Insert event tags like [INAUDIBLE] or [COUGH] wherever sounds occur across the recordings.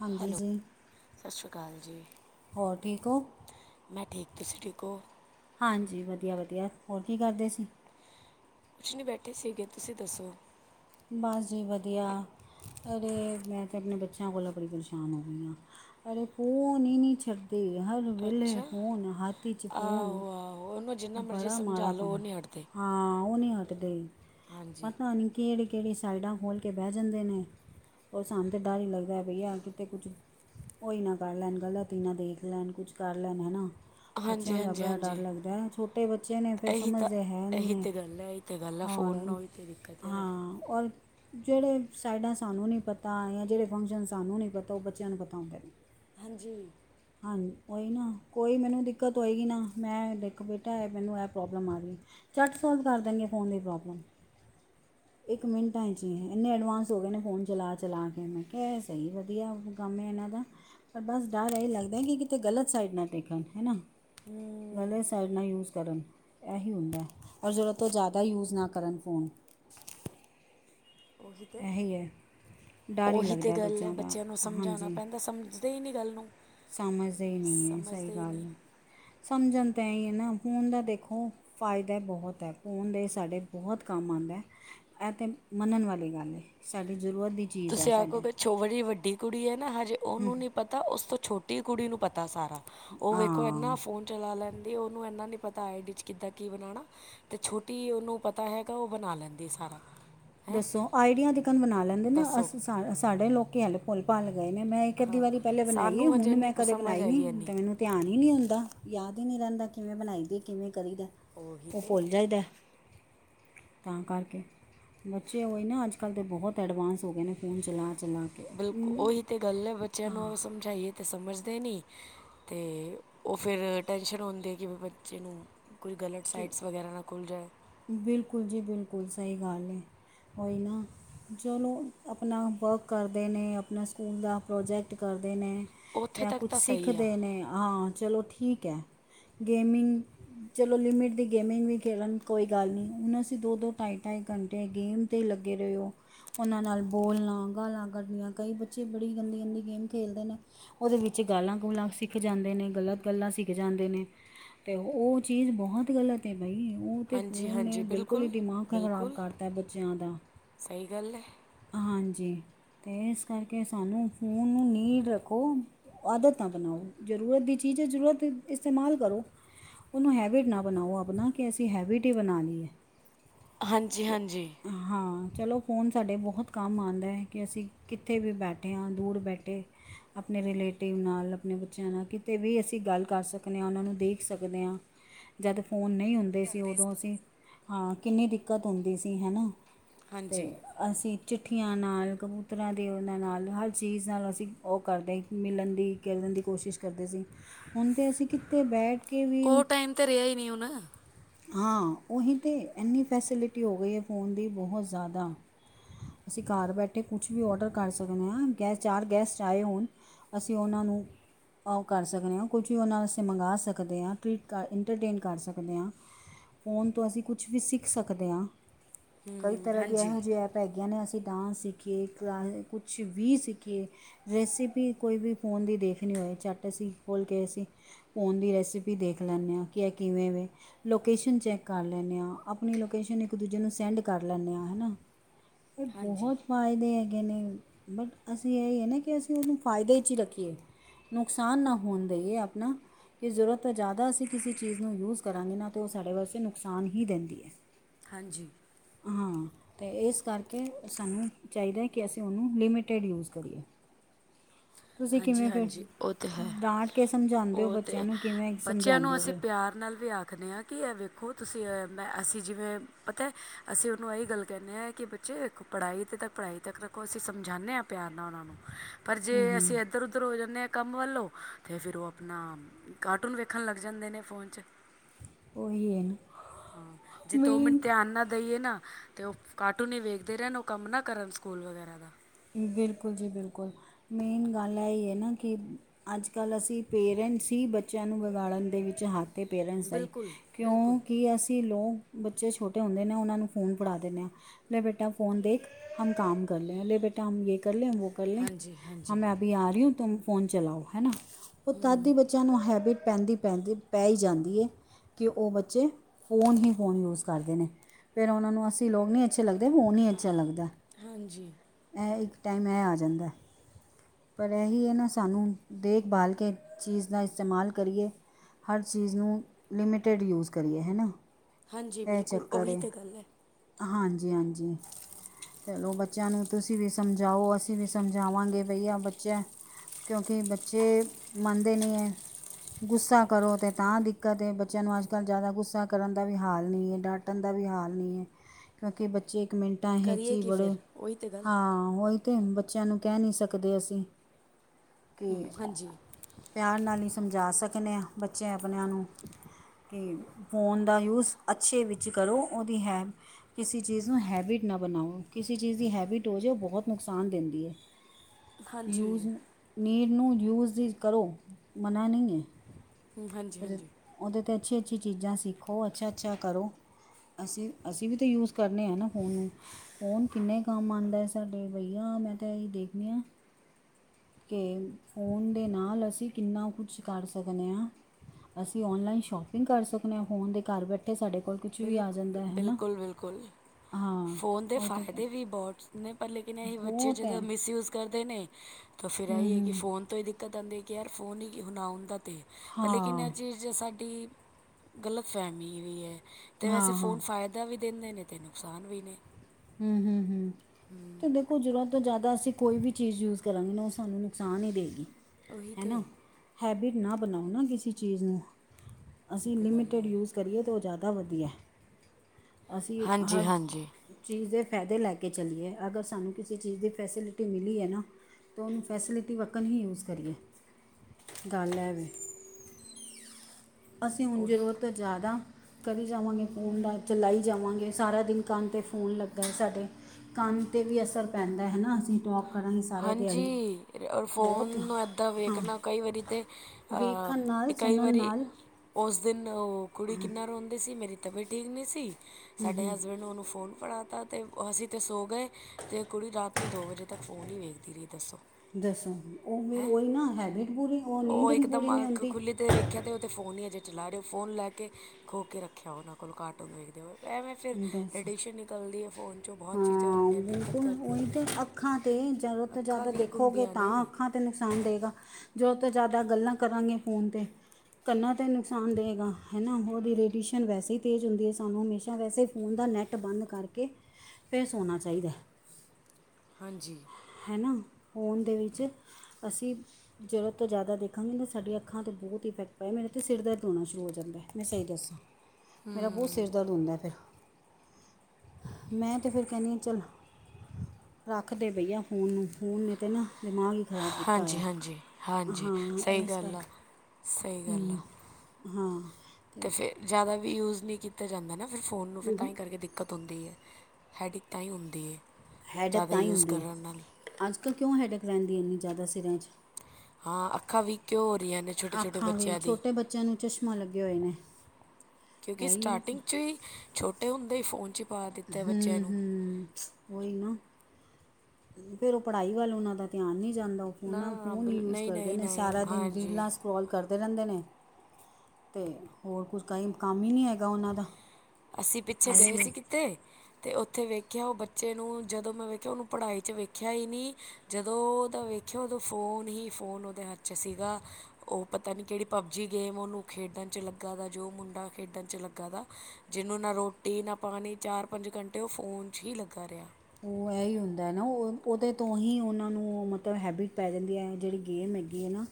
ਹਾਂਜੀ ਹੈਲੋ, ਜੀ ਸਸ਼੍ਰੀ ਕਾਲ ਜੀ। ਹੋਰ ਠੀਕ ਹੋ ਮੈ ਠੀਕ, ਤੁਸੀ ਠੀਕ ਓ? ਹਾਂਜੀ, ਵਧੀਆ-ਵਧੀਆ, ਹੋਰ ਕੀ ਕਰਦੇ ਸੀ? ਕੁਛ ਨੀ ਬੈਠੇ ਸੀਗੇ, ਤੁਸੀ‌ ਦੱਸੋ ਬਸ ਜੀ ਵਦਿਆ। ਅਰੇ ਮੈ ਤੇ ਅਪਨੇ ਬੱਚਿਆਂ ਕੋਲ ਬੋੜੀ ਪਰਸ਼ਾਨ ਹੋ ਗਈ ਆਂ, ਅਰੇ ਫੋਨ ਈ ਨੀ ਛੱਡ ਦੇ ਹਰ ਵੇਲੇ ਅੱਛਾ ਫੋਨ ਹੱਥ ਚ ਫੋਨ। ਆਹੋ ਆਹੋ ਉਨੂੰ ਜ ਬੜਾ ਮਾੜਾ ਕੰਮ ਹਾਂ, ਉਹ ਨਹੀਂ ਹਟਦੇ ਹਾਂਜੀ ਪਤਾ ਨਹੀਂ ਕਿਹੜੀ-ਕਿਹੜੀ ਸਾਈਡਾਂ ਖੋਲ੍ਹ ਕੇ ਬੈ ਜਾਂਦੇ ਨੇ। ਪਰ ਸਾਨੂੰ ਤੇ ਡਰ ਹੀਂ ਲਗਦਾ ਹੈ ਭਈਆ ਕਿਤੇ ਕੁਝ ਉਹੀ ਨਾ ਕਰ ਲੈਣ, ਗਲਤ ਹੀ ਨਾ ਦੇਖ ਲੈਣ, ਕੁਛ ਕਰ ਲੈਣ ਹੈਨਾ। ਹਾਂਜੀ ਬੱਚੇਆਂ ਦਾ ਹਾਂਜੀ ਬੜਾ ਡਰ ਹਾਂਜੀ ਲੱਗਦਾ ਐ ਛੋਟੇ ਬੱਚੇ ਨੇ, ਫੇਰ ਇਹੀ ਤਾਂ ਸਮਝਦੇ ਹੈ ਇਹੀ ਨੀ ਏ ਤਾਂ ਗੱਲ ਹੈ ਇਹੀ ਤਾਂ ਗੱਲ ਹੈ ਔਰ ਫ਼ੋਨ ਨੂੰ ਹੀ ਤਾਂ ਦਿੱਕਤ ਹੈ ਹਾਂ ਔਰ ਜੇਹੜੇ ਸਾਈਡਾਂ ਸਾਨੂੰ ਨਹੀ ਪਤਾ ਹੇਈਆ, ਜੇਹੜੇ ਫੰਕਸ਼ਨ ਸਾਨੂੰ ਨਹੀ ਪਤਾ, ੳਹ ਬੱਚੇਆਂ ਨੂੰ ਪਤਾ ਹੁੰਦੇ ਨੇ। ਹਂਜੀ। ਹਾਂਜ ਓਹੀ ਨਾ ਕੋਈ ਮੈਨੂੰ ਦਿੱਕਤ ਹੋਏਗੀ ਨਾ ਮੈਂ ਦੇ ਬੇਟਾ ਏਹ ਮੈਨੂੰ ਏਹ ਪ੍ਰੋਬਲਮ ਆ ਗਈ, ਚੱਟ ਸੋਲਵ ਕਰ ਦੇਨਗੇ ਫੋਨ ਤੇ ਪ੍ਰੋਬਲਮ। ਇੱਕ ਮਿੰਟਾ ਚ ਹੀ ਏਨੇ ਐਡਵਾਂਸ ਹੋ ਗਏ ਨੇ ਫੋਨ ਚਲਾ ਚਲਾ ਕੇ। ਮੈਂ ਕਿਹਾ ਏ ਸਹੀ ਵਧੀਆ ਕੰਮ ਏ ਏਨਾਂ ਦਾ। ਪਰ ਬਸ ਡਰ ਏਹੀ ਲੱਗਦਾ ਕਿ ਕਿਤੇ ਗਲਤ ਸਾਈਡ ਨਾ ਦੇਖਨ ਹੈਨਾ, ਗਲਤ ਯੂਸ ਕਰਨ ਏਹੀ ਹੁੰਦਾ ਔਰ ਜਰੂਰਤ ਤੋ ਜ਼ਿਆਦਾ ਯੂਸ ਨਾ ਕਰਨ ਫ਼ੋਨ। ੳਹੀ ਤੇ, ਇਹੀ ਹੈ ਡਰ ਹੀ ਉਹੀ ਤੇ ਲੱਗਦਾ ਗੱਲ ਏ, ਬੱਚਿਆਂ ਦਾ ਬੱਚੇਆਂ ਨੂੰ ਸਮਝਾਉਣਾ ਹਾਂਜੀ ਪੈਂਦਾ ਸਮਝ ਦੇ ਨੀ ਗੱਲ ਨੂੰ। ਸਮਝਦੇ ਹੀ ਨਈ ਏ ਸਹੀ ਸਮਝਦੇ ਹੀ ਗੱਲ ਨਹੀਂ ਏ, ਸਮਝਣ ਤਾਂ ਹੀ ਏ ਨਾ ਹੁਣ ਦਾ ਦੇਖੋ ਫ਼ਾਇਦੇ ਬਹੁਤ ਹੈ ਫੋਨ ਦੇ ਸਾਡੇ ਬਹੁਤ ਕੰਮ ਆਂਦਾ ਏਹ ਤੇ ਮੰਨਣ ਵਾਲੀ ਗੱਲ ਏ, ਸਾਡੀ ਜ਼ਰੂਰਤ ਦੀ ਚੀਜ਼ ਹੈ ਤੁਸੀਂ ਸਾਡੇ ਆਖੋਗੇ ਛੋ ਮੇਰੀ ਵੱਡੀ ਕੁੜੀ ਹੈ ਨਾ ਹਜੇ ੳਨੂੰ ਨੀ ਪਤਾ ੳਸ ਤੋਂ ਛੋਟੀ ਕੁੜੀ ਨੂੰ ਪਤਾ ਸਾਰਾ। ੳਹ ਵੇਖੋ ਹਾਂ ਏਨਾ ਫੋਨ ਚਲਾ ਲੈਂਦੀ ੳਨੂੰ ਏਨਾ ਨੀ ਪਤਾ ਆਈਡੀ ਚ ਕਿੱਦਾਂ ਕੀ ਬਣਾਨਾ ਤੇ ਛੋਟੀ ੳਨੂੰ ਪਤਾ ਹੈਗਾ, ੳਹ ਬਨਾ ਲੈਂਦੀ ਹੈ ਸਾਰਾ। ਹੈਂ ਦੱਸੋ ਆਈਡੀਆ ਤਿਕਨ ਬਣਾ ਲੈਂਦੇ ਨੇ ਦੱਸੋ ਅਸੀ ਸਾ ਸਾਡੇ ਲੋਕੀ ਅਲੇ ਭੁਲ ਭਲ ਗਏ ਨੇ ਮੈਂ ਇੱਕ ਅੱਧੀ ਹਾਂ ਵਾਰੀ ਪਹਲੇ ਬਨਾਈ ਏ, ਸਾਨੂੰ ਹਜੇ ਹੁਣ ਮੈਂ ਨਹੀਂ ਕਦੇ ਸਮਝ ਬਨਾਈ ਨੀ। ਆਈ ਹੁਨ ਇੰਨੀ ਤੇ ਮੈਨੂੰ ਧਿਆਨ ਹੀ ਨੀ ਹੁੰਦਾ, ਯਾਦ ਈ ਨੀ ਰਹੰਦਾ ਕਿਵੇਂ ਬਣਾਈ ਦੀ? ਕਿਵੇਂ ਕਰੀ ਦਾ? ਉਹੀ ੳਹ ਤੇ ਭੁਲ ਜਾਈ ਦਾ ਤੇ ਤਾਂ ਕਰਕੇ ਬੱਚੇ ਓਹੀ ਨਾ ਅੱਜ ਕਲ ਦੇ ਬਹੁਤ ਐਡਵਾਂਸ ਹੋ ਗਏ ਨੇ ਫੋਨ ਚਲਾ ਚਲਾ ਬਿਲਕੁ ਕੇ ੳਹੀ ਤੇ ਗੱਲ ਏ, ਬੱਚੇਆਂ ਨੂੰ ਅੱਗ ਸਮਝਾਈਏ ਤੇ ਸਮਝਦੇ ਨੀ। ਤੇ ੳਹ ਫੇਰ ਟੈਂਸ਼ਨ ਹੁੰਦੀ ਕਿ ਬੱਚੇ ਨੂੰ ਕੋਈ ਗਲਤ ਕਿ ਸਾਈਡਸ ਵਗੈਰਾ ਨਾ ਖੁੱਲ ਜਾਏ। ਬਿਲਕੁਲ ਜੀ ਬਿਲਕੁਲ। ਸਹੀ ਗੱਲ ਏ। ਓਹੀ ਨਾ ਜੋ ਲੋਕ ਅਪਨਾ ਵਰਕ ਕਰਦੇ ਨੇ, ਅਪਨਾ ਸਕੂਲ ਦਾ ਪ੍ਰੋਜੈਕਟ ਕਰਦੇ ਨੇ ਉੱਥੇ ਯਾ ਤੱਕ ਕੁਛ ਤਾਂ ਸਹੀ ਆ ਸਿੱਖਦੇ ਨੇ, ਹਾਂ ਚਲੋ ਠੀਕ ਏ। ਗੇਮਿੰਗ ਚਲੋ ਲਿਮਿਟ ਦੀ ਗੇਮਿੰਗ ਵੀ ਖੇਲਣ ਕੋਈ ਗੱਲ ਨੀ ਹੁਣ ਅਸੀ ਦੋ-ਦੋ, ਢਾਈ-ਢਾਈ ਘੰਟੇ ਗੇਮ ਤੇ ਲੱਗੇ ਰਹੇ ਹੋ ੳਨਾ ਨਾਲ ਬੋਲਣਾ, ਗਾਲਾਂ ਕਢਨੀਆਂ, ਕਈ ਬੱਚੇ ਬੜੀ ਗੰਦੀ- ਗੰਦੀ ਗੇਮ ਖੇਲਦੇ ਨੇ। ੳਦੇ ਵਿੱਚ ਗਾਲਾਂ ਗੂਲਾਂ ਸਿਖ ਜਾਂਦੇ ਨੇ, ਗਲਤ ਗੱਲਾਂ ਸਿਖ ਜਾਂਦੇ ਨੇ ਤੇ ੳਹ ਚੀਜ ਬੋਹਤ ਗਲਤ ਤੇ ਬਈ ਉਹ ਤੇ ਹਾਂਜੀ ਫੋਨ ਨੇ ਹਾਂਜੀ ਬਿਲਕੁਲ ਈ ਦਿਮਾਗ ਖ਼ਰਾਬ ਬਿਲਕੁਲ ਕਰਤਾ ਐ ਬੱਚੇਆਂ ਦਾ। ਸਹੀ ਗੱਲ ਐ। ਹਾਂਜੀ ਤੇ ਏਸ ਕਰਕੇ ਸਾਨੂੰ ਫੋਨ ਨੂੰ ਨੀਡ ਰੱਖੋ ਆਦਤ ਨਾ ਬਨਾਓ। ਜਰੂਰਤ ਦੀ ਚੀਜ਼ ਹੈ ਜਰੂਰਤ ਇਸਤੇਮਾਲ ਕਰੋ ੳਨੂੰ ਹੈਬਿਟ ਨਾ ਬਨਾਓ ਅਪਨਾ ਕਿ ਅਸੀ ਹੈਬਿਟ ਹੀ ਬਨਾ ਲਈਏ। ਹਾਂਜੀ ਹਾਂਜੀ। ਹਾਂ ਚਲੋ ਫੋਨ ਸਾਡੇ ਬੋ ਹਤ ਕੰਮ ਆਂਦਾ ਹੈ ਕਿ ਅਸੀਂ ਕਿੱਥੇ ਵੀ ਬੈਠੇ ਹਾਂ ਦੂਰ ਬੈਠੇ ਅਪਨੇ ਰਿਲੇਟਿਵ ਨਾਲ, ਅਪਨੇ ਬੱਚੇਆਂ ਨਾਲ, ਕਿਤੇ ਵੀ ਅਸੀ ਗੱਲ ਕਰ ਸਕਨੇ ਆਂ ੳਨਾਂ ਨੂੰ ਦੇਖ ਸਕਦੇ ਆਂ। ਜਦ ਫੋਨ ਨਈ ਹੁੰਦ ਦੇ ਸੀ ੳਦੋਂ ਅਸੀ ਹਾਂ ਕਿੰਨੀ ਦਿੱਕਤ ਹੁੰਦੀ ਸੀ ਹੈਨਾ ਤੇ ਹਾਂਜੀ ਅਸੀ ਚਿੱਠੀਆਂ ਨਾਲ, ਕਬੂਤਰਾਂ ਦੇ ੳਨਾ ਨਾਲ, ਹਰ ਚੀਜ਼ ਨਾਲ ਅਸੀ ੳਹ ਕਰਦੇ ਮਿਲਣ ਦੀ ਕਹਨ ਦੀ ਕੋਸ਼ਿਸ਼ ਕਰਦੇ ਸੀ ਹੁਣ ਤੇ ਅਸੀਂ ਕਿੱਥ ਬੈਠ ਕੇ ਵੀ ਉਹ ਟਾਈਮ ਤੇ ਰਿਹਾ ਹੀ ਨਹੀਂ ਹੁਣ ਹਾਂ ਉਹੀ ਤਾਂ ਇੰਨੀ ਫੈਸਿਲਿਟੀ ਹੋ ਗਈ ਹੈ, ਫੋਨ ਦੀ ਬਹੁਤ ਜ਼ਿਆਦਾ ਅਸੀਂ ਘਰ ਬੈਠੇ ਕੁਛ ਵੀ ਔਡਰ ਕਰ ਸਕਦੇ ਹਾਂ ਗੈ ਚਾਰ ਗੈਸਟ ਆਏ ਹੋਣ, ਅਸੀਂ ਉਹਨਾਂ ਨੂੰ ਉਹ ਕਰ ਸਕਦੇ ਹਾਂ, ਕੁਝ ਵੀ ਉਹਨਾਂ ਅਸੀਂ ਮੰਗਵਾ ਸਕਦੇ ਹਾਂ, ਟਵੀਟ ਕਰ ਇੰਟਰਟੇਨ ਕਰ ਸਕਦੇ ਹਾਂ ਫੋਨ ਤੋਂ ਅਸੀਂ ਕੁਛ ਵੀ ਸਿੱਖ ਸਕਦੇ ਹਾਂ, ਕਈ ਹਮ ਤਰ੍ਹਾਂ ਦੀ ਹਾਂਜੀ ਇਹੋ ਜਿਹੇ ਐਪ ਹੈਗੀਆਂ ਨੇਸੀਂ ਉੱਥੇ ਡਾਂਸ ਸਿੱਖੀਏ ਕਲਾਸ ਕੁਛ ਵੀ ਸਿੱਖੀਏ ਰੈਸਿਪੀ ਕੋਈ ਵੀ ਫ਼ੋਨ ਦੀ ਦੇਖ ਨਹੀਂ ਹੋਏ ਚੱਟ ਅਸੀਂ ਖੋਲ ਕੇ ਅਸੀਂ ਫਨ ਦੀ ਰੈਸਪੀ ਦੇਖ ਲੈਂਦੇ ਹਾਂ ਕਿ ਇਹ ਕਿਵੇਂ ਵ ਲੋਕੇਸ਼ਨ ਚੈੱਕ ਕਰ ਲੈਂਦੇ ਹਾਂ, ਆਪਣੀ ਲੋਕੇਸ਼ਨ ਇੱਕ ਦੂਜੇ ਨੂੰ ਸੈਂਡ ਕਰ ਲੈਂਦੇ ਹਾਂ ਹੈ ਨਾ ਇਹ ਹਾਂਜੀ ਬਹੁਤ ਫਾਇਦੇ ਹੈਗੇ ਅਗੇ ਨੇ ਬਟ ਅਸੀਂ ਇਹ ਹੈ ਨਾ ਕਿ ਅਸੀਂ ਉਹਨੂੰ ਫਾਇਦੇ ਹੀ ਰੱਖੀਏ ਨੁਕਸਾਨ ਨਾ ਹੋਣ ਦੇਈਏ, ਆਪਣਾ ਕਿ ਜ਼ਰੂਰਤ ਤਾਂ ਜ਼ਿਆਦਾ ਅਸੀਂ ਕਿਸੇ ਚੀਜ਼ ਨੂੰ ਯੂਜ਼ ਕਰਾਂਗੇ ਨਾ ਤਾਂ ਉਹ ਸਾਡੇ ਵਾਸਤੇ ਨੁਕਸਾਨ ਹੀ ਦਿੰਦੀ ਹੈ। ਹਾਂਜੀ। ਹਾਂ ਅਤੇ ਇਸ ਕਰਕੇ ਕਿ ਸਾਨੂੰ ਚਾਹੀਦਾ, ਕਿ ਅਸੀਂ ਉਹਨੂੰ ਲਿਮਿਟਿਡ ਯੂਜ ਕਰੀਏ ਤੁਸੀਂ ਹਾਂਜੀ ਕਿਵੇਂ ਫਿਰ ਹਾਂਜੀ ਉਹ ਤਾਂ ਹੈ ਡਾਂਟ ਕੇ ਸਮਝਾਉਂਦੇ ਹੋ, ਉਹ ਬੱਚਿਆਂ ਤਾਂ ਨੂੰ ਕਿਵੇਂ ਬੱਚਿਆਂ ਨੂੰ ਸਮਝਾਉਂਦੇ ਹੋ ਅਸੀਂ ਫਿਰ ਪਿਆਰ ਨਾਲ ਵੀ ਆਖਦੇ ਹਾਂ, ਕਿ ਇਹ ਵੇਖੋ ਤੁਸੀਂ ਮੈਂ ਅਸੀਂ ਜਿਵੇਂ ਪਤਾ ਹੈ, ਅਸੀਂ ਉਹਨੂੰ ਇਹੀ ਗੱਲ ਕਹਿੰਦੇ ਹਾਂ ਕਿ ਬ ਦੇੋ ਪੜ੍ਹਾਈ ਤੇ ਤ ਪੜ੍ਹਾਈ ਤੱਕ ਰੱਖੋ, ਅਸੀਂ ਸਮਝਾਉਂਦੇ ਹਾਂ ਪਿਆਰ ਨਾਲ ਉਹਨਾਂ ਨੂੰ ਪਰ ਜੇ ਹੂੰ ਅਸੀਂ ਹੂੰ ਇੱਧਰ -ਉੱਧਰ ਹੋ ਜਾਂਦੇ ਆ ਕੰਮ ਵੱਲੋਂ ਤੇ ਫੇਰ ਉਹ ਆਪਣਾ ਕਾਰਟੂਨ ਵੇਖਣ ਲੱਗ ਜਾਂਦੇ ਨੇ ਫੋਨ ਉਹ ਹੀਏ ਹਾਂ ਜੇ ਦੋ ਮਿੰਨਟ ਧਿਆਨ ਨਾ ਦਈਏ ਨਾ ਅਤੇ ਉਹ ਕਾਰਟੂਨ ਹੀ ਵੇਖਦੇ ਰਹਿਣ, ਉਹ ਕੰਮ ਨਾ ਕਰਨ ਸਕੂਲ ਵਗੈਰਾ ਦਾ ਬਿਲਕੁਲ ਜੀ ਬਿਲਕੁਲ ਮੇਨ ਗੱਲ ਆ ਇਹ ਹੈ ਨਾ ਕਿ ਅੱਜ -ਕੱਲ੍ਹ ਅਸੀਂ ਪੇਰੈਂਟਸ ਹੀ ਬੱਚਿਆਂ ਨੂੰ ਵਿਗਾੜਨ ਦੇ ਵਿੱਚ ਹੱਥ ਅਤੇ ਪੇਰੈਂਟਸ ਦਾਹੀਂ ਬਿਲਕੁਲ ਬਿਲਕੁਲ ਕਿਉਂਕਿ, ਅਸੀਂ ਲੋਕ ਬੱਚੇ ਛੋਟੇ ਹੁੰਦੇ ਨੇ ਉਹਨਾਂ ਨੂੰ ਫੋਨ ਪੜ੍ਹਾ ਦਿੰਦੇ ਹਾਂ ਲੈ ਬੇਟਾ ਫੋਨ ਦੇਖ, ਹਮ ਕੰਮ ਕਰ ਲੇ ਲੇ ਬੇਟਾ ਯ ਕਰ ਲੇ ਉਹ ਕਰ ਲੇ ਹਾਂਜੀ ਹਾਂਜੀ ਹੈਂ ਅਭੀ ਆ ਰਹੀ ਹ ਤੁ ਫੋਨ ਚਲਾਓ ਹੈ ਨਾ ਉਹ ਤਦ ਹੀ ਬੱਚਿਆਂ ਨੂੰ ਹੈਬਿਟ ਪੈਂਦੀ- ਪੈਂਦੀ ਪੈ ਹੀ ਜਾਂਦੀ ਹੈ। ਕਿ ਉਹ ਬੱਚੇ ਫ਼ੋਨ ਹੀ ਫ਼ੋਨ ਯੂਜ ਕਰਦੇ ਨੇ ਫਿਰ ਉਹਨਾਂ ਨੂੰ ਅਸੀਂ ਲੋਕ ਨਹੀਂ ਅੱਛੇ ਲੱਗਦੇ ਉਹ ਨਹੀਂ ਅੱਛਾ ਲਗਦਾ। ਹਾਂਜੀ। ਇਹ ਇੱਕ ਟਾਈਮ ਇਹ ਆ ਜਾਂਦਾ। ਪਰ ਇਹੀ ਹੈ ਨਾ ਸਾਨੂੰ ਦੇਖਭਾਲ ਕੇ ਚੀਜ਼ ਦਾ ਇਸਤੇਮਾਲ ਕਰੀਏ। ਹਰ ਚੀਜ਼ ਨੂੰ ਲਿਮਿਟਿਡ ਯੂਜ ਕਰੀਏ ਹੈ ਨਾ ਹਾਂਜੀ, ਇਹ ਬਿਲਕੁਲ ਚੱਕਰ ਉਹੀ ਤਾਂ ਗੱਲ ਹੈ ਹਾਂਜੀ -ਹਾਂਜੀ। ਚਲੋ ਬੱਚਿਆਂ ਨੂੰ ਤੁਸੀਂ ਵੀ ਸਮਝਾਓ, ਅਸੀਂ ਵੀ ਸਮਝਾਵਾਂਗੇ ਬਈਆ ਬੱਚਾ ਕਿਉਂਕਿ ਬੱਚੇ ਮੰਨਦੇ ਨਹੀਂ ਹੈ। ਗੁੱਸਾ ਕਰੋ ਅਤੇ ਤਾਂ ਦਿੱਕਤ ਹੈ, ਬੱਚਿਆਂ ਨੂੰ ਅੱਜ -ਕੱਲ੍ਹ ਜ਼ਿਆਦਾ ਗੁੱਸਾ ਕਰਨ ਦਾ ਵੀ ਹਾਲ ਨਹੀਂ ਹੈ ਡਾਟਨ ਡਟਣ ਦਾ ਵੀ ਹਾਲ ਨਹੀਂ ਹੈ, ਕਿਉਂਕਿ ਬੱਚੇ ਇੱਕ ਮਿੰਟਾਂ ਹੇਚ ਕਰੀਏ ਹੀ ਕੀ ਫਿਰ ਬੜੇ ਉਹੀ ਤਾਂ ਗੱਲ ਹਾਂ ਉਹੀ ਅਤੇ ਬੱਚਿਆਂ ਨੂੰ ਕਹਿ ਨਹੀਂ ਸਕਦੇ ਅਸੀਂ ਹੂੰ ਕਿ ਹਾਂਜੀ ਪਿਆਰ ਨਾਲ ਹੀ ਸਮਝਾ ਸਕਨੇ ਆਂ ਬੱਚੇ ਆਪਣਿਆਂ ਨੂੰ ਕਿ ਫੋਨ ਦਾ ਯੂਜ਼ ਅੱਛੇ ਵਿੱਚ ਕਰੋ, ਉਹਦੀ ਹੈ ਕਿਸੀ ਚੀਜ਼ ਨੂੰ ਹੈਬਿਟ ਨਾ ਬਣਾਓ ਕਿਸੀ ਚੀਜ਼ ਦੀ ਹੈਬਿਟ ਹੋ ਜਾਯੇ ਉਹ ਬਹੁਤ ਨੁਕਸਾਨ ਦਿੰਦੀ ਹੈ ਹਾਂਜੀ ਯੂਜ਼ ਨੀਰ ਨੂੰ ਯੂਜ਼ ਕਰੋ ਮਨਾ ਨਹੀਂ ਹੈ ਹੂੰ ਹਾਂਜੀ ਹਾਂਜੀ ਉਹਦੇ 'ਤੇ ਅੱਛੀ-ਅੱਛੀ ਚੀਜ਼ਾਂ ਸਿੱਖੋ ਅੱਛਾ- ਅੱਛਾ ਕਰੋ। ਅਸੀਂ ਅਸੀਂ ਵੀ ਤੇ ਯੂਜ ਕਰਨੇ ਆਂ ਨਾ ਫੋਨ ਨੂੰ। ਫੋਨ ਕਿੰਨੇ ਕੰਮ ਆਉਂਦਾ ਸਾਡੇ ਬਈਆ, ਮੈਂ ਤਾਂ ਇਹੀ ਦੇਖਨੀ ਆਂ। ਕਿ ਫ਼ੋਨ ਦੇ ਨਾਲ ਅਸੀਂ ਕਿੰਨਾ ਕੁਛ ਕਰ ਸਕਨੇ ਆਂ। ਅਸੀਂ ਔਨਲਾਈਨ ਸ਼ੋਪਿੰਗ ਕਰ ਸਕਨੇ ਆਂ, ਫੋਨ ਦੇ ਘਰ ਬੈਠੇ ਸਾਡੇ ਕੋਲ। ਕੁਛ ਵੀ ਆ ਬਿਲਕੁਲ, ਜਾਂਦਾ ਹੈ ਨਾ ਬਿਲਕੁਲ, ਬਿਲਕੁਲ ਹਾਂ ਫੋਨ ਦੇ ਉਹ ਤਾਂ ਕ- ਫਾਇਦੇ ਵੀ ਬਹੁਤ। ਨਹੀਂ ਪਰ ਲੇਕਿਨ ਇਹ ਬੱਚੇ ਬਹੁਤ ਹੈ ਜਦੋਂ ਮਿਸਯੂਜ ਕਰਦੇ ਨੇ ਤਾਂ ਫਿਰ ਹੂੰ ਇਹ ਹੈ ਕਿ ਹੂੰ ਫੋਨ ਤੋਂ ਹੀਖਦੇ। ਕਦੇ ਗਰ ਫੋਨ ਹੀ ਨਾ ਹੁੰਦਾ ਤੇ ਪਰ ਲੇਕਿਨ ਹਾਂ ਅੱਜੇ। ਸਾਡੀ ਗਲਤ ਫਹਿਮੀ ਵੀ ਐ, ਤੇ ਹਾਂ ਵੈਸੇ ਹਾਂ ਫੋਨ ਫਾਇਦਾ। ਫੈਯਦਾ ਵੀ ਦਿੰਦੇ ਨੇ, ਤੇ ਨੁਕਸਾਨ ਵੀ ਨੇ। ਹੂ ਹੂ ਹੂ ਤੇ ਦੇਖੋ ਜਰਾਤ ਤੋਂ ਜ਼ਿਆਦਾ ਅਸੀਂ ਕੋਈ ਵੀ ਚੀਜ਼ ਯੂਜ ਕਰਾਂਗੇ, ਨਾ ਉਹ ਸਾਨੂੰ ਨੁਕਸਾਨ ਹੀ ਦੇਵੇਗੀ ਉਹੀ ਹੈ ਤਾਂ ਨਾ। ਹੈਬਿਟ ਨਾ ਬਣਾਓ ਨਾ ਕਿਸੇ ਚੀਜ਼ ਨੂੰ। ਉਹੀ ਅਸੀਂ ਤਾਂ ਗੱਲ ਲਿਮੀਟਡ ਹੈ ਯੂਜ ਕਰੀਏ ਤਾਂ ਉਹ ਜ਼ਿਆਦਾ ਵਧੀਆ ਅਸੀਂ ਹਾਂਜੀ ਹਰ। ਹਾਂਜੀ ਚੀਜ਼ ਦੇ ਫਾਇਦੇ ਲੈ ਕੇ ਚਲੀਏ, ਅਗਰ ਸਾਨੂੰ ਕਿਸੇ ਚੀਜ਼ ਦੀ ਫੈਸਿਲਿਟੀ ਮਿਲੀ ਹੈ ਨਾ। ਤੇ ਉਹਨੂੰ ਫੈਸਿਲਿਟੀ ਵੱਕਣ ਹੀ ਯੂਜ਼ ਕਰੀਏ। ਗੱਲ ਐ ਵੈ ਅਸੀਂ ਉਝ ਉਹੀ ਜ਼ਰੂਰਤ ਤੋ ਜ਼ਿਆਦਾ। ਕਰੀ ਜਾਵਾਂਗੇ ਫੋਨ ਦਾ ਚਲਾਈ ਜਾਵਾਂਗੇ, ਸਾਰਾ ਦਿਨ ਕੰਨ 'ਤੇ ਫ਼ੋਨ ਲੱਗਾ ਸਾਡੇ। ਕੰਨ 'ਤੇ ਵੀ ਅਸਰ ਪੈਂਦਾ ਹੈ ਨਾ ਅਸੀਂ। ਟੋਕ ਕਰਾਂਗੇ ਸਾਰਾ ਦਿਹਾੜੀ ਹਾਂਜੀ ਫੋਨ ਬਹੁਤ ਨੂੰ ਏਦਾਂ ਹਾਂ ਵੇਖਣਾ ਕਈ ਵਾਰੀ ਤੇ। ਹਾਂ ਵੇਖਣ ਨਾਲ ਕਈ ਸੁਣਨ ਵਾਰੀ। ਨਾਲ ਉਸ ਦਿਨ ਉਹ ਕੁੜੀ ਕਿੰਨਾ ਰੋਂਦੀ ਸੀ, ਮੇਰੀ ਤਬੀਅਤ ਠੀਕ ਨਹੀਂ ਸੀ, ਸਾਡੇ ਹਸਬੈਂਡ ਨੂੰ ਉਹਨੂੰ ਫੋਨ। ਫੜਾ ਤਾ ਤੇ ਅਸੀਂ ਤੇ ਸੋ ਗਏ, ਤੇ ਕੁੜੀ ਰਾਤ ਨੂੰ ਦੋ ਵਜੇ ਤੱਕ ਫ਼ੋਨ ਹੀ ਵੇਖਦੀ ਰਹੀ ਦੱਸੋ। ਦੱਸੋ ਉਹ ਫੇਰ ਹੈਂ ਉਹ ਨਾ ਹੈਬਿਟ ਪੂਰੀ ਉਹ ਨੀਂਦ ਵੀ ਪੂਰੀ ਨਹੀਂ ਹੁੰਦੀ। ਕਹਿੰਦੇ ਉਹ ਤੇ‌‌ ਜੇ ਚਲਾ ਰਹੇ ਹੋ ਫੋਨ ਲੈ ਕੇ ਖੋਹ ਕੇ ਰੱਖਿਆ ਉਹਨਾਂ ਕੋਲੋ, ਕਾਰਟੂਨ ਵੇਖਦੇ ਹੋਏ। ਐਵੈ ਫਿਰ ਦੱਸ ਰੇਡੀਏਸ਼ਨ ਨਿਕਲਦੀ ਹੈ ਫੋਨ 'ਚੋਂ ਬਹੁਤ ਚੀਜ਼ਾਂ ਹਾਂ ਹੁੰਦੀਆਂ ਦਿੱਕਤ ਬਿਲਕੁਲ ਕਰਦੀ ਹੈ ਉਹੀ ਫਿਰ। ਤੇ ਅੱਖਾਂ ਤੇ ਜ਼ਰੂਰਤ ਤੋ ਅੱਖਾਂ ਜਯਾਦਾ ਵੀਕ ਦੇਖੋਗੇ ਹੁੰਦੀਆਂ ਨੇ ਤਾਂ ਅੱਖਾਂ। ਤੇ ਨੁਕਸਾਨ ਦੇਵੇਗਾ ਜੋ ਤੋਂ ਜ਼ਿਆਦਾ ਗੱਲਾਂ ਕਰਾਂਗੇ ਫੋਨ ਤੇ। ਕੰਨਾਂ 'ਤੇ ਨੁਕਸਾਨ ਦੇਵੇਗਾ ਹੈ, ਨਾ ਉਹਦੀ ਰੇਡੀਏਸ਼ਨ ਵੈਸੇ ਹੀ ਤੇਜ਼ ਹੁੰਦੀ ਹੈ ਸਾਨੂੰ ਹਮੇਸ਼ਾ। ਜਾਂ ਵੈਸੇ ਫੋਨ ਦਾ ਨੈੱਟ ਬੰਦ ਕਰਕੇ ਫਿਰ ਸੋਣਾ ਚਾਹੀਦਾ। ਹਾਂਜੀ। ਹੈਨਾ ਫੋਨ ਦੇ ਵਿੱਚ ਅਸੀਂ। ਜ਼ਰੂਰਤ ਤੋਂ ਜ਼ਿਆਦਾ ਦੇਖਾਂਗੀ ਨਾ ਸਾਡੀ ਅੱਖਾਂ 'ਤੇ ਬਹੁਤ ਇਫੈਕਟ ਪਾਇਆ, ਮੇਰੇ ਤਾਂ ਸਿਰ ਦਰਦ ਹੋਣਾ ਸ਼ੁਰੂ ਹੋ ਜਾਂਦਾ ਮੈਂ ਸਹੀ ਦੱਸਾਂ। ਮੇਰਾ ਬਹੁਤ ਸਿਰ ਦਰਦ ਹੁੰਦਾ ਫਿਰ। ਮੈਂ ਤੇ ਫੇਰ ਕਹਿੰਦੀ ਹਾਂ ਚੱਲ ਰੱਖ ਦੇ ਬਈ ਆ। ਹੁਣ, ਫੋਨ ਨੇ ਤਾਂ ਨਾ ਦਿਮਾਗ ਹੀ ਖ਼ਰਾਬ ਕੀਤਾ ਹਾਂਜੀ ਹੋਇਆ ਹਾਂਜੀ ਹਾਂਜੀ ਹਾਂ ਸਹੀ ਇਸ ਗੱਲ। ਆ ਸਹੀ ਗੱਲ ਆ ਹ ਹਾਂ ਅਤੇ। [UNINTELLIGIBLE] ਜ਼ਿਆਦਾ ਵੀ ਯੂਜ਼ ਨਹੀਂ ਕੀਤਾ ਜਾਂਦਾ ਨਾ ਫਿਰ ਫੋਨ ਨੂੰ ਫਿਰ ਤਾਂ ਹੀ ਕਰਕੇ ਦੇਖ। ਦਿੱਕਤ ਹੁੰਦੀ ਹੈ, ਹੈਡਏਕ ਤਾਂ ਹੀ ਹੁੰਦੀ ਹੈ ਹੈਡਕ ਜ਼ਿਆਦਾ ਤਾਂ ਹੀ ਯੂਜ਼ ਹੁੰਦੀ ਹੈ ਕਰਨ ਨਾਲ। ਅੱਜ ਕੱਲ ਕਿਉਂ ਹੈੇਡਕ ਰਹਿੰਦੀ ਇੰਨੀ ਜ਼ਿਆਦਾ ਸਿਰਾ 'ਚ? ਹਾਂ, ਅੱਖਾਂ ਵੀਕ ਕਿਉਂ ਹੋ ਰਹੀਆਂ ਨੇ? ਛੋਟੇ ਛੋਟੇ ਆਖਾਂ ਵੀ ਬੱਚਿਆਂ ਦੀ ਛੋਟੇ ਬੱਚਿਆਂ ਨੂੰ ਚਸ਼ਮਾ ਲੱਗੇ ਹੋਏ ਨੇ। ਕਿਉਂਕਿ ਹੈ ਹੀ ਹੈ। ਸਟਾਰਟਿੰਗ ਚ ਵੀ ਛੋਟੇ ਹੁੰਦੇ ਫੋਨ ਵਿੱਚ‌ ਚ ਪਾ ਦਿੱਤਾ ਬੱਚਿਆਂ ਹਮ ਨੂੰ ਹਮ [INAUDIBLE] ਉਹੀ ਨਾ ਫਿਰ ਉਹ ਪੜ੍ਹਾਈ ਵੱਲ ਉਹਨਾਂ ਦਾ ਧਿਆਨ ਨਹੀਂ ਜਾਂਦਾ, ਉਹ- ਫੋਨਾਂ ਨਾ ਫੋਨ ਹੀ ਬਿਲ ਯੂਜ ਨਹੀਂ ਕਰਦੇ ਨਹੀਂ ਨੇ ਨਹੀਂ ਸਾਰਾ ਦਿਨ ਹਾਂਜੀ ਰੀਲਾਂ ਸਕਰੋਲ ਕਰਦੇ ਰਹਿੰਦੇ ਨੇ, ਤੇ ਹੋਰ ਕੁਛ ਕਈ ਕੰਮ ਹੀ ਨਹੀਂ ਹੈਗਾ ਉਹਨਾਂ ਦਾ। ਅਸੀਂ ਪਿੱਛੇ ਗਏ ਆਹੀ ਸੀ ਹੈ ਕਿਤੇ ਤੇ ਉੱਥੇ ਵੇਖਿਆ ਉਹ ਬੱਚੇ ਨੂੰ ਜਦੋਂ ਮੈਂ ਵੇਖਿਆ ਉਹਨੂੰ ਪੜ੍ਹਾਈ 'ਚ ਵੇਖਿਆ ਹੀ ਨਹੀਂ। ਜਦੋਂ ਉਹਦਾ ਵੇਖਿਆ ਉਦੋਂ ਫੋਨ ਹੀ ਫ਼ੋਨ ਉਹਦੇ ਹੱਥ 'ਚ ਸੀਗਾ ਉਹ ਪਤਾ ਨਹੀਂ ਕਿਹੜੀ ਪਬਜੀ ਗੇਮ ਉਹਨੂੰ ਖੇਡਣ 'ਚ ਲੱਗਾ ਦਾ ਜੋ ਮੁੰਡਾ ਖੇਡਣ 'ਚ ਲੱਗਾ ਦਾ ਜਿਹਨੂੰ ਨਾ ਰੋਟੀ, ਨਾ ਪਾਣੀ, ਚਾਰ- ਪੰਜ ਘੰਟੇ ਉਹ ਫ਼ੋਨ 'ਚ ਹੀ ਲੱਗਾ ਰਿਹਾ। ਉਹ ਐ ਹੀ ਹੁੰਦਾ ਨਾ ਉਹ ਉਹਦੇ ਤੋਂ ਹੀ ਉਹਨਾਂ ਨੂੰ ਮਤਲਬ ਹੈਬਿਟ ਪੈ ਜਾਂਦੀ ਹੈ, ਜਿਹੜੀ ਗੇਮ ਹੈਗੀ ਗੇ ਨਾ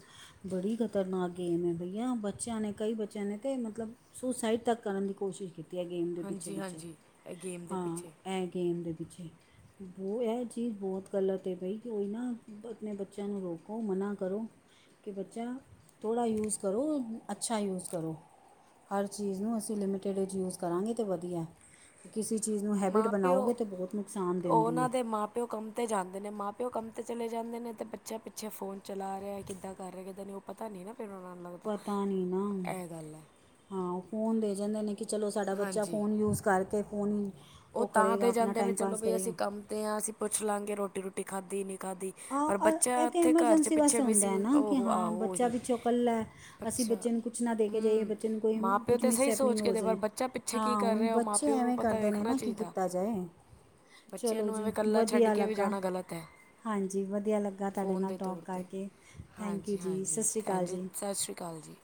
ਬੜੀ ਖਤਰਨਾਕ ਗੇਮ ਹੈਈਆ ਬੱਚਿਆਂ ਨੇ ਕਈ ਬੱਚਿਆਂ ਨੇ ਤਾਂ ਮਤਲਬ ਸੁਸਾਈਡ ਤੱਕ ਕਰਨ ਦੀ ਕੋਸ਼ਿਸ਼ ਕੀਤੀ ਹੈ, ਗੇਮ ਦੇ ਹਾਂਜੀ ਪਿੱਛੇ-ਪਿੱਛੇ ਹਾਂਜੀ ਇਹ ਗੇਮ ਦੇ ਹਾਂ ਪਿੱਛੇ ਇਹ ਗੇਮ ਦੇ [UNINTELLIGIBLE] ਬੋ ਇਹ ਚੀਜ਼ ਬਹੁਤ ਗਲਤ ਹੈ ਬਈ ਕੋਈ ਨਾ ਆਪਣੇ ਬੱਚਿਆਂ ਨੂੰ ਰੋਕੋ ਮਨਾ ਕਰੋ ਕਿ ਬੱਚਾ ਥੋੜ੍ਹਾ ਯੂਜ ਕਰੋ ਅੱਛਾ ਯੂਜ ਕਰੋ। ਹਰ ਚੀਜ਼ ਨੂੰ ਅਸੀਂ ਲਿਮਿਟਿਡ ਵਿੱਚ ਯੂਜ ਕਰਾਂਗੇ ਤੇ ਵਧੀਆ ਹੈ। ਕਿਸੇ ਚੀਜ਼ ਨੂੰ ਹੈਬਿਟ ਮਾਂ ਬਣਾਓਗੇ ਪਿਓ ਤੇ ਬਹੁਤ ਨੁਕਸਾਨ ਦਿੰਦੀ ਉਹਨਾਂ ਹੈ ਦੇ ਮਾਂ-ਪਿਓ ਕੰਮ ਤੇ ਜਾਂਦੇ ਨੇ ਮਾਂ-ਪਿਓ ਕੰਮ ਤੇ ਚਲੇ ਜਾਂਦੇ ਨੇ, ਤੇ' ਬੱਚਾ ਪਿੱਛੇ ਫੋਨ ਚਲਾ ਰਿਹਾ ਕਿੱਦਾਂ ਕਰ ਰਿਹਾ ਕਿਦਾਂ ਨਹੀਂ ਪਤਾ ਨਹੀਂ ਨਾ ਫਿਰ ਓਹਨਾ ਨੂੰ ਲੱਗਦਾ, ਪਤਾ ਨਹੀਂ ਨਾ ਇਹ ਗੱਲ ਹੈ। ਹਾਂ, ਉਹ ਫੋਨ ਦੇ ਜਾਂਦੇ ਨੇ ਕਿ ਚਲੋ ਸਾਡਾ ਬੱਚਾ ਹਾਂਜੀ ਫ਼ੋਨ ਯੂਜ ਕਰਕੇ ਫ਼ੋਨ ਹੀ ਉਹ ਤਾਂ ਕਰੇਗਾ ਦੇ ਆਪਣਾ ਜਾਂਦੇ ਨੇ ਟਾਈਮ ਚਲੋ ਪਾਸ ਬਈ ਅਸੀਂ ਕਰੇਗਾ ਕੰਮ ਤੇ ਹਾਂ ਅਸੀਂ ਪੁੱਛ ਲਵਾਂਗੇ ਰੋਟੀ ਰੋਟੀ ਖਾਧੀ ਨੀ ਖਾਦੀ ਪਰ ਹਾਂ ਬੱਚਾ ਇਹ ਤਾਂ ਓਥੇ ਘਰ ਚ' ਐਮਰਜੈਂਸੀ ਪਿੱਛੇ ਵਾਸਤੇ ਮਿਸ ਹੁੰਦਾ ਹੈ ਨਾ ਕਿ ਹੋ ਹਾਂ ਆਹੋ ਬੱਚਾ ਓਹੀ ਵਿੱਚੋਂ ਇਕੱਲਾ ਹੈ ਅਸੀਂ ਅੱਛਾ! ਬੱਚੇ ਨੂੰ ਕੁਛ ਨਾ ਦੇ ਕੇ ਜਾਈਏ ਹਮ ਬੱਚੇ ਨੂੰ ਕੋਈ ਮਾਂ ਪਿਓ ਕੁਝ ਤੇ ਸਹੀ ਮਿਸਹੈਪਨਿੰਗ ਸੋਚ ਕੇ ਹੋ ਤੇ ਪਰ ਜਾਏ ਬੱਚਾ ਪਿੱਛੋ ਪੱਛੇ ਕੀ ਹਾਂ ਕਰ ਹੁਣ ਰਿਹਾ, ਉਹ ਮਾਂ ਬੱਚੇ ਪਿਓ ਨੂੰ ਐਵੇਂ ਪਤਾ ਕਰਦੇ ਨੇ ਵੇਖਣਾ ਨਾ ਕੀ ਚਾਹੀਦਾ, ਕੀਤਾ ਜਾਏ ਬੱਚਿਆਂ ਚਲੋ ਨੂੰ ਐਵੇਂ ਜੀ ਕੱਲਾ ਛੱਡ ਵਧੀਆ ਕੇ ਵੀ ਲੱਗਾ ਜਾਣਾ ਗ਼ਲਤ ਐ। ਹਾਂਜੀ ਵਧੀਆ ਲੱਗਾ ਤੁਹਾਡੇ ਫੋਨ ਨਾਲ ਦੇ ਟੋਕ ਤੌਰ ਤੇ, ਕਰਕੇ ਥੈਂਕ ਯੂ ਜੀ ਸਤਿ ਸ਼੍ਰੀ ਅਕਾਲ ਹਾਂਜੀ-ਹਾਂਜੀ-ਹਾਂਜੀ ਜੀ ਸਤਿ ਸ੍ਰੀ ਅਕਾਲ ਜੀ।